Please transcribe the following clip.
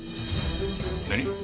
何？